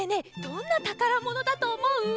どんな「たからもの」だとおもう？